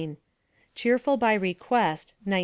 Cheerful By Request, 1918.